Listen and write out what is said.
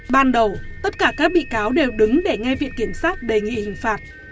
ban đầu tất cả các bị cáo đều đứng để ngay viện kiểm sát đề nghị hình phạt